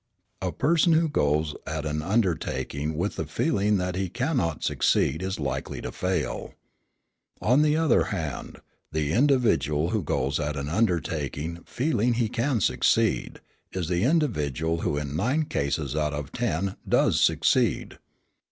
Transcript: "A person who goes at an undertaking with the feeling that he cannot succeed is likely to fail. On the other hand, the individual who goes at an undertaking, feeling that he can succeed, is the individual who in nine cases out of ten does succeed.